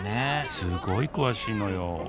すごい詳しいのよ